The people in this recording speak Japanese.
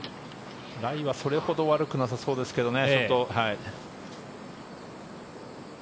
ライはそれほど悪くなさそうですけどね。